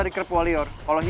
gila manaan nih jalan ini